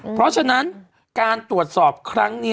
เพราะฉะนั้นการตรวจสอบครั้งนี้